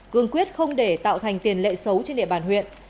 cương quyết không để tạo thành tiền lệ xấu trên địa bàn huyện